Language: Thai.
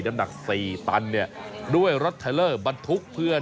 น้ำหนัก๔ตันเนี่ยด้วยรถเทลเลอร์บรรทุกเพื่อน